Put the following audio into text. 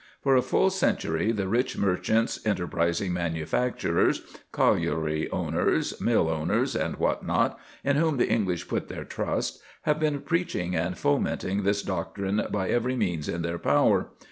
For a full century the rich merchants, enterprising manufacturers, colliery owners, mill owners, and what not, in whom the English put their trust, have been preaching and fomenting this doctrine by every means in their power.